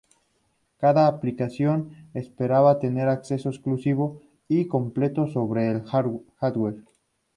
Cada aplicación esperaba tener acceso exclusivo y completo sobre el hardware.